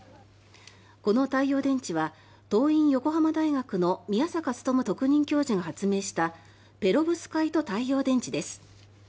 この太陽電池は桐蔭横浜大学の宮坂力特任教授が発明したペロブスカイト太陽電池です。